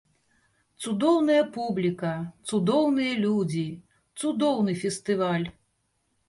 Цудоўная публіка, цудоўныя людзі, цудоўны фестываль.